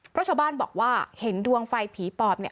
เพราะชาวบ้านบอกว่าเห็นดวงไฟผีปอบเนี่ย